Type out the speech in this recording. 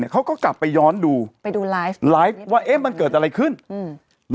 เขาก็กลับไปย้อนดูไปดูไลฟ์ไลฟ์ว่าเอ๊ะมันเกิดอะไรขึ้นอืม